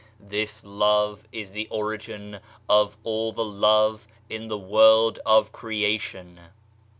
This love is the origin of all the love in the world of creation.